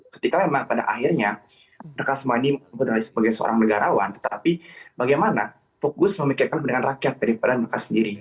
ketika memang pada akhirnya mereka semua ini sebagai seorang negarawan tetapi bagaimana fokus memikirkan kepentingan rakyat daripada mereka sendiri